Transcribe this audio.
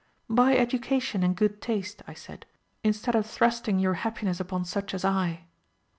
"Buy education and good taste," I said, "instead of thrusting your happiness upon such as I."